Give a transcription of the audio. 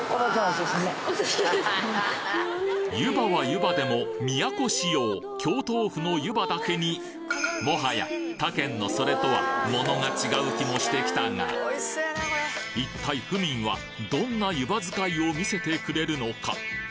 湯葉は湯葉でも都仕様京豆腐の湯葉だけにもはや他県のそれとはモノが違う気もしてきたが一体府民はどんな湯葉使いを見せてくれるのか？